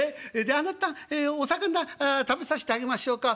で『あなたお魚食べさせてあげましょうか？』。